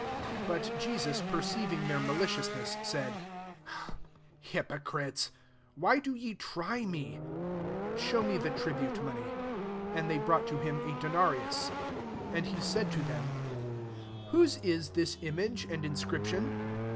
18 But lesus perceiving their mali ciousness, said, <' Hypocrites! Why do ye try me ? 19 Show me the tribute money." And they brought to him a denarius. SO And he said to them, "Whose is this image and in scription